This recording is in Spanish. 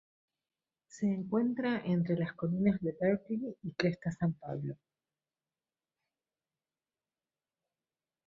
Se encuentra entre las Colinas Berkeley y Cresta San Pablo.